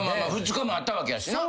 ２日もあったわけやしな。